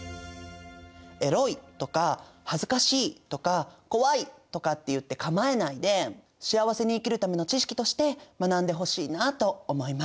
エロいとか恥ずかしいとか怖いとかって言って構えないで幸せに生きるための知識として学んでほしいなと思います。